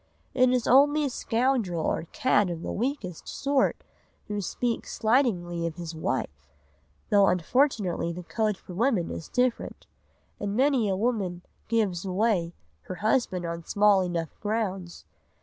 It is only a scoundrel or cad of the weakest sort who speaks slightingly of his wife, though unfortunately the code for women is different, and many a woman "gives away" her husband on small enough grounds.